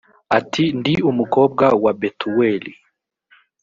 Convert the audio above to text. ati ndi umukobwa wa betuweli